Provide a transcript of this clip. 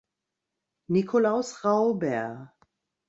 Nikolaus Rauber.